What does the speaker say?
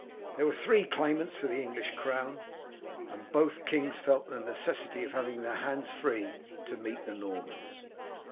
There were three claimants for the English crown, and both kings felt the necessity of having their hands free to meet the Normans.